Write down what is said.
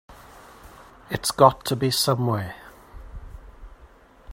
It's got to be somewhere.